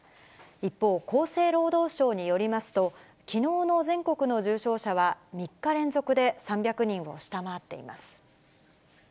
一方、厚生労働省によりますと、きのうの全国の重症者は３日連続で３００人を下回っています。